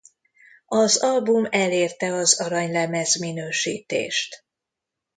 Az album elérte az aranylemez minősítést.